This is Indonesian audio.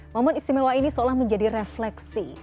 momen istimewa ini seolah menjadi refleksi